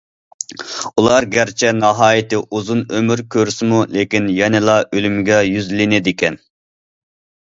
ئۇلار گەرچە ناھايىتى ئۇزۇن ئۆمۈر كۆرسىمۇ، لېكىن يەنىلا ئۆلۈمگە يۈزلىنىدىكەن.